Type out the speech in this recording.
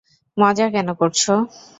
মজা কেন করছো?